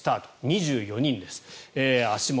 ２４人です、足元